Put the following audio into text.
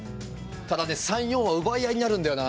ただね３４は奪い合いになるんだよな。